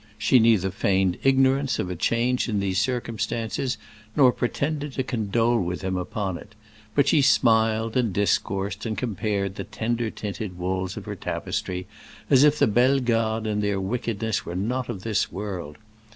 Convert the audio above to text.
She neither feigned ignorance of a change in these circumstances nor pretended to condole with him upon it; but she smiled and discoursed and compared the tender tinted wools of her tapestry, as if the Bellegardes and their wickedness were not of this world.